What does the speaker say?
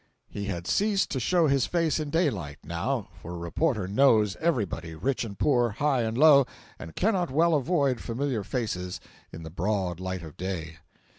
He had ceased to show his face in daylight, now, for a reporter knows everybody, rich and poor, high and low, and cannot well avoid familiar faces in the broad light of day.